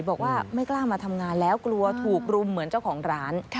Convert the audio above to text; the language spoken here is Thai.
บอกว่าไม่กล้ามาทำงานแล้วกลัวถูกรุมเหมือนเจ้าของร้าน